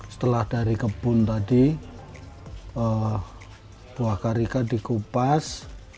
setelah dari kebun tadi buah karika dikupas